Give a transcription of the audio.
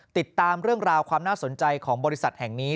ติดตามเรื่องราวความน่าสนใจของบริษัทแห่งนี้